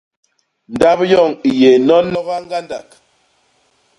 Ndap yoñ i yé nonoga ñgandak.